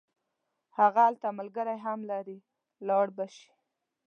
هغه هلته ملګري هم لري لاړ به شي.